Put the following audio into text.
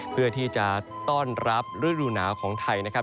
เพื่อที่จะต้อนรับฤดูหนาวของไทยนะครับ